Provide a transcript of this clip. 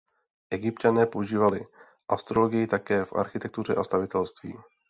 Egypťané používali astrologii také v architektuře a stavitelství.